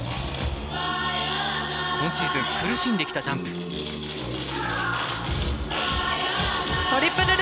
今シーズン苦しんできたジャンプ。